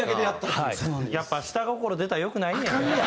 やっぱ下心出たら良くないねん。